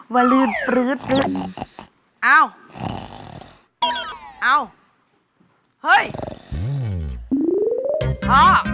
ว่ารื่นปลืดปลืดเอาเอาหึยพอ